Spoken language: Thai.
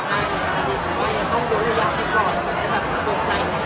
ไม่ว่าในวันนี้มันจะอยู่ในสถานการณ์ไหน